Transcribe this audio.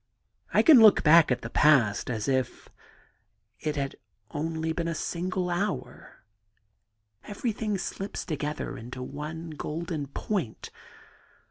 I can look back at the past as if it had only been a single hour. Everything slips together into one golden point.